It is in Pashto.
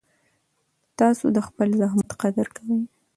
تاسو د خپل زحمت قدر کوئ.